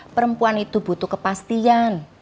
perempuan itu butuh kepastian